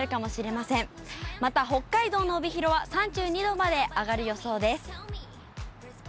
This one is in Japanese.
また北海道の帯広は３２度まで上がる予想です。